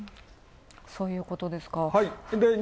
そういうことですか。